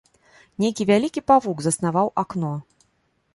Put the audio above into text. Нейкі вялікі павук заснаваў акно.